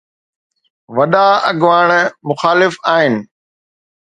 وڏا اڳواڻ مخالف آهن.